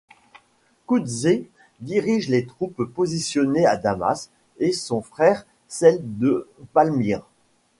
Coutzès dirige les troupes positionnées à Damas et son frère celles de Palmyre.